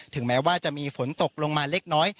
แม้ว่าจะมีฝนตกลงมาเล็กน้อย